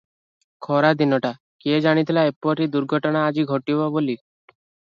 ଖରାଦିନଟା- କିଏ ଜାଣିଥିଲା ଏପରି ଦୁର୍ଘଟନା ଆଜି ଘଟିବ ବୋଲି ।